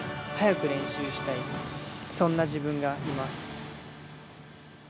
早く練習したい、そんな自分がいます。